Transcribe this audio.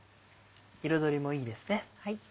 彩りもいいですね。